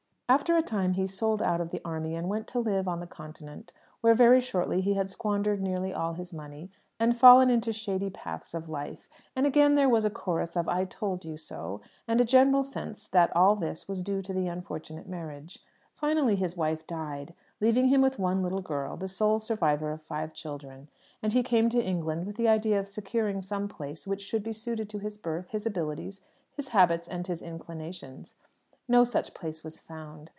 After a time he sold out of the Army, and went to live on the Continent, where very shortly he had squandered nearly all his money, and fallen into shady paths of life; and again there was a chorus of "I told you so!" and a general sense that all this was due to the unfortunate marriage. Finally, his wife died, leaving him with one little girl, the sole survivor of five children; and he came to England with the idea of securing some place which should be suited to his birth, his abilities, his habits, and his inclinations. No such place was found.